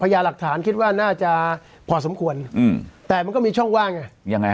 ยาหลักฐานคิดว่าน่าจะพอสมควรแต่มันก็มีช่องว่างไงยังไง